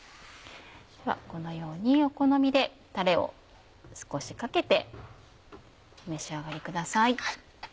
このようにお好みでタレを少しかけてお召し上がりください。